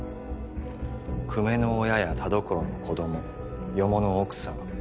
久米の親や田所の子供四方の奥さん